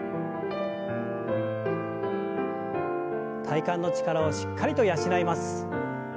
体幹の力をしっかりと養います。